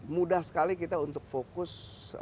mudah sekali kita untuk fokus